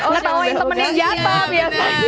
oh ketawain teman yang jatuh biasanya